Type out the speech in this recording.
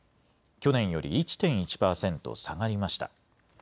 去年より１．１％下がりました。